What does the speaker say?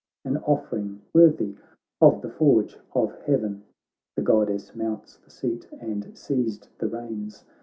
An offering worthy of the forge of heaven. The Goddess mounts the seat and seized the reins.